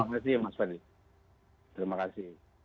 terima kasih mas fadli